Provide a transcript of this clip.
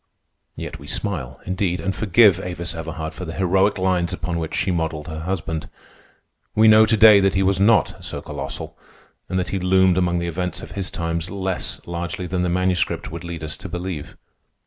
Yet we smile, indeed, and forgive Avis Everhard for the heroic lines upon which she modelled her husband. We know to day that he was not so colossal, and that he loomed among the events of his times less largely than the Manuscript would lead us to believe.